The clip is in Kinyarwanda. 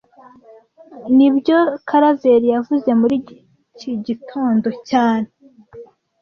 Nibyo Karaveri yavuze muri iki gitondo cyane